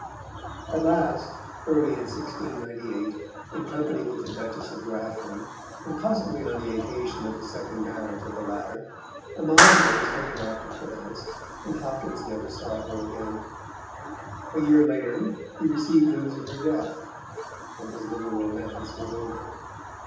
At last, early in 1698, in company with the Duchess of Grafton, and possibly on the occasion of the second marriage of the latter, Amasia was taken off to France, and Hopkins never saw her again. A year later he received news of her death, and his little romance was over.